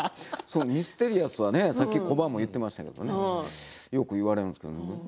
ミステリアスはコバも言っていましたねよく言われるんですけどね。